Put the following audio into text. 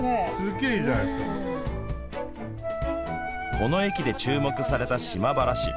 この駅で注目された島原市。